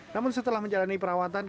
namun setelah menjalani perawatan